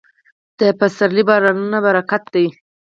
د پسرلي بارانونه برکت دی.